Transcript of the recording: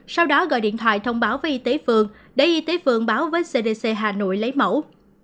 sau đó gọi điện thoại thông báo với y tế phường để y tế phường báo với cdc hà nội lấy mẫu